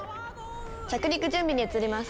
着陸準備に移ります。